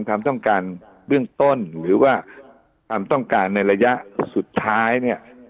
ความต้องการเบื้องต้นหรือว่าความต้องการในระยะสุดท้ายเนี่ย